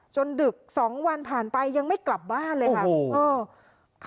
ดึก๒วันผ่านไปยังไม่กลับบ้านเลยค่ะ